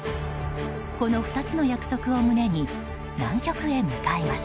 この２つの約束を胸に南極へ向かいます。